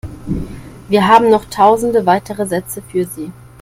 Wir haben noch tausende weitere Sätze für Sie.